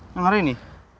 yang hari ini